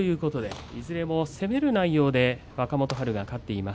いずれも攻める内容で若元春が勝っています。